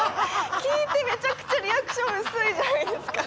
聞いてめちゃくちゃリアクション薄いじゃないですか。